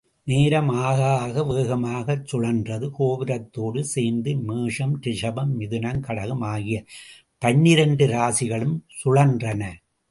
நேரம் ஆகஆக வேகமாகச் சுழன்றது, கோபுரத்தோடு சேர்ந்து மேஷம், ரிஷபம், மிதுனம், கடகம் ஆகிய பன்னிரெண்டு ராசிகளும் சுழன்றன.